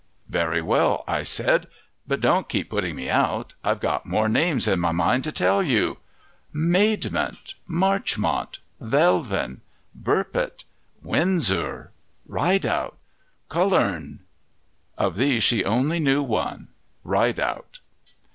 "Very well," I said, "but don't keep putting me out I've got more names in my mind to tell you. Maidment, Marchmont, Velvin, Burpitt, Winzur, Rideout, Cullurne." Of these she only knew one Rideout.